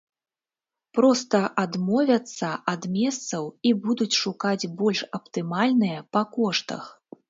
Проста адмовяцца ад месцаў і будуць шукаць больш аптымальныя па коштах.